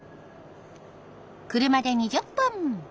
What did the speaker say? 車で２０分。